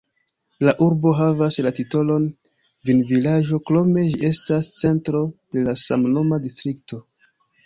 La urbo havas la titolon vinvilaĝo, krome ĝi estas centro de la samnoma distrikto.